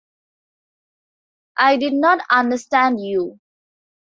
I did not understand you.